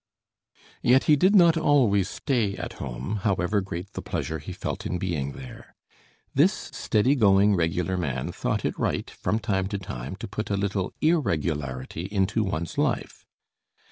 Yet he did not always stay at home, however great the pleasure he felt in being there. This steady going, regular man thought it right from time to time to put a little irregularity into one's life.